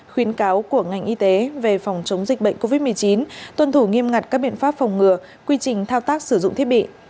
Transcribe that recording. khuyến cáo của ngành y tế về phòng chống dịch bệnh covid một mươi chín tuân thủ nghiêm ngặt các biện pháp phòng ngừa quy trình thao tác sử dụng thiết bị